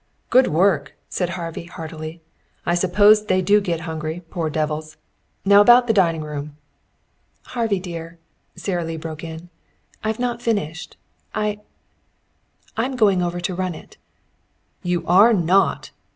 "Good work!" said Harvey heartily. "I suppose they do get hungry, poor devils. Now about the dining room " "Harvey dear," Sara Lee broke in, "I've not finished. I I'm going over to run it." "You are not!"